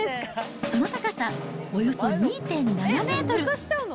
その高さおよそ２．７メートル。